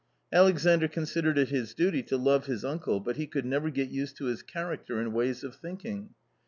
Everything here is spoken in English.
Alexandr considered it his duty to love his uncle, but he could never get used to his character and ways of think ing.